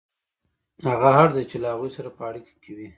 هغه اړ دی چې له هغوی سره په اړیکه کې وي